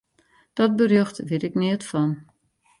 Dat berjocht wit ik neat fan.